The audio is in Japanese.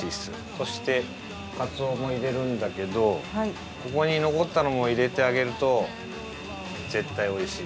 そしてカツオも入れるんだけどここに残ったのも入れてあげると絶対美味しい。